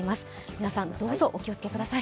皆さん、どうぞお気をつけください